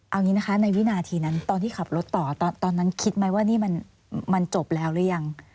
เอาอย่างนี้นะคะในวินาทีนั้นตอนที่ขับรถต่อตอนนั้นคิดไหมว่านี่มันจบแล้วหรือยัง